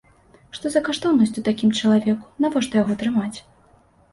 Што за каштоўнасць у такім чалавеку, навошта яго трымаць?